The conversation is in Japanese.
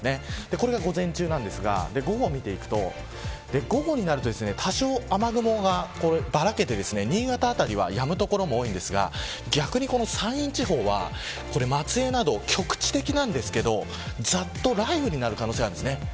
これは午前中ですが午後を見ていくと午後になると多少雨雲がばらけて新潟辺りはやむ所も多いんですが逆に山陰地方は松江など局地的なんですけどざっと雷雨になる可能性があります。